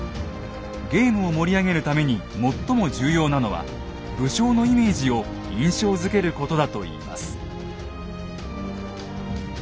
ゲームを盛り上げるために最も重要なのは武将のイメージを印象づけることだといいます。